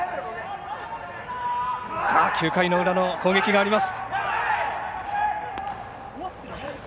さあ９回の裏の攻撃があります。